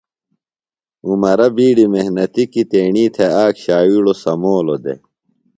عمرہ بیڈیۡ محنتی کیۡ تیݨی تھےۡ آک شاویڑو سمولو دےۡ۔